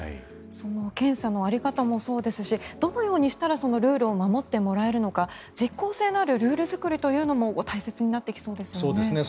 検査の在り方もそうですしどのようにしたらルールを守ってくれるのか実効性のあるルール作りというのも大切になってきそうですね。